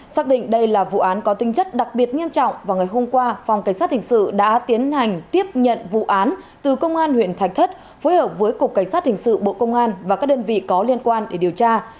xác định đây là vụ án có tinh chất đặc biệt nghiêm trọng vào ngày hôm qua phòng cảnh sát hình sự đã tiến hành tiếp nhận vụ án từ công an huyện thạch thất phối hợp với cục cảnh sát hình sự bộ công an và các đơn vị có liên quan để điều tra